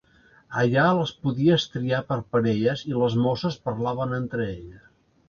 Allà les podies triar per parelles i les mosses parlaven entre elles.